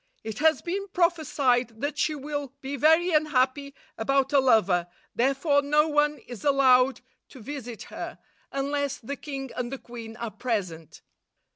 "It has been prophesied that she will be very unhappy about a lover, therefore no one is allowed to visit her, unless the king and the queen are present."